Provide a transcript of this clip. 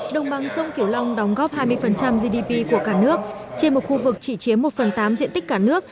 đồng bằng sông kiểu long đóng góp hai mươi gdp của cả nước trên một khu vực chỉ chiếm một phần tám diện tích cả nước